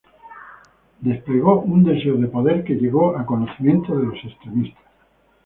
Desplegó un deseo de poder que llegó a conocimiento de los extremistas.